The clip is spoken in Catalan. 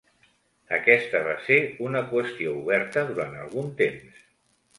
Aquesta va ser una qüestió oberta durant algun temps.